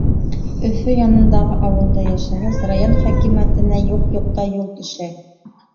Өфө янындағы ауылда йәшәгәс, район хакимиәтенә юҡ-юҡта юл төшә.